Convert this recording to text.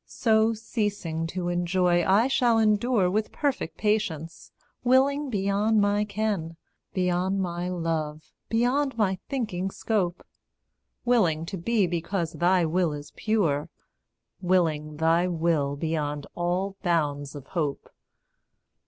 So, ceasing to enjoy, I shall endure With perfect patience willing beyond my ken Beyond my love, beyond my thinking scope; Willing to be because thy will is pure; Willing thy will beyond all bounds of hope.